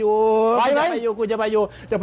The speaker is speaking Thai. อุ๊ยกูเจ็บจับ